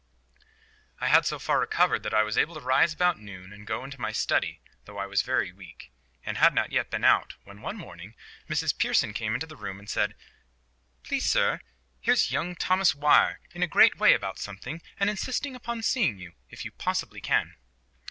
I had so far recovered that I was able to rise about noon and go into my study, though I was very weak, and had not yet been out, when one morning Mrs Pearson came into the room and said,— "Please, sir, here's young Thomas Weir in a great way about something, and insisting upon seeing you, if you possibly can."